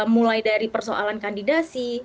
mulai dari persoalan kandidasi